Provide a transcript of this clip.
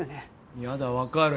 いやだ分かる。